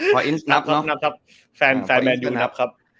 แฟนแมนยูนับครับ